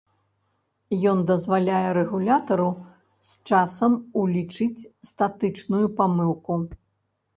Ён дазваляе рэгулятару з часам улічыць статычную памылку.